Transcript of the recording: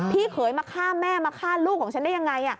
เขยมาฆ่าแม่มาฆ่าลูกของฉันได้ยังไง